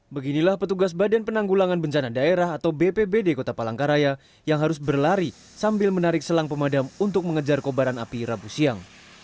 beginilah petugas badan penanggulangan bencana daerah atau bpbd kota palangkaraya yang harus berlari sambil menarik selang pemadam untuk mengejar kobaran api rabu siang